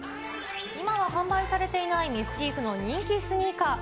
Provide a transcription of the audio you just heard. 今は販売されていないミスチーフの人気スニーカー。